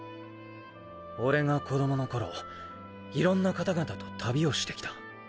俺が子どもの頃いろんな方々と旅をしてきた。